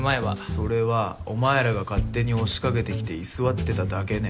それはお前らが勝手に押しかけてきて居座ってただけね。